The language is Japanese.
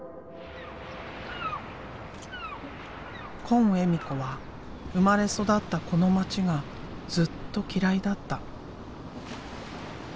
今恵美子は生まれ育ったこの町がずっと嫌いだった。